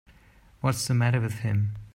What's the matter with him.